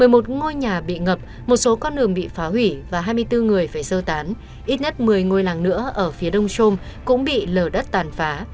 một mươi một ngôi nhà bị ngập một số con đường bị phá hủy và hai mươi bốn người phải sơ tán ít nhất một mươi ngôi làng nữa ở phía đông shom cũng bị lở đất tàn phá